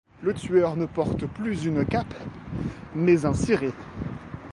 Le tueur ne porte plus une cape mais un ciré.